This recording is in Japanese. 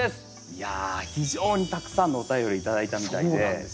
いや非常にたくさんのお便り頂いたみたいで。